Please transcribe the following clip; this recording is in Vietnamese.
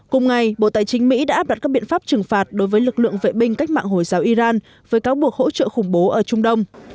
cùng ngày bộ tài chính mỹ đã áp đặt các biện pháp trừng phạt đối với lực lượng vệ binh cách mạng hồi giáo iran với cáo buộc hỗ trợ khủng bố ở trung đông